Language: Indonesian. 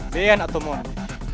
dean atau mondi